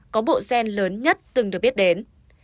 có bộ gen lớn nhất từng được biết đến